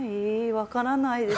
分からないです。